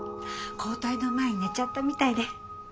交代の前に寝ちゃったみたいで。